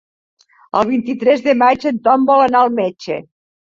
El vint-i-tres de maig en Tom vol anar al metge.